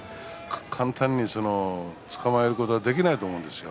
簡単につかまえることができないと思うんですよ。